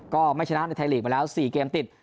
ก็ไม่ชนะในไทยลีกมาแล้ว๔เกมติด